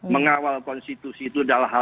mengawal konstitusi itu dalam hal